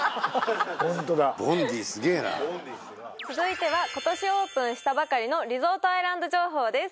ホントだ続いては今年オープンしたばかりのリゾートアイランド情報です